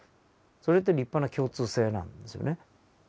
それって立派な共通性なんですよね。